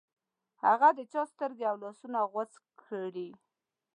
هغه د چا سترګې او لاسونه غوڅ کړې.